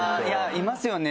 いますよね！